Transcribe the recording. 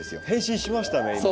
変身しましたね。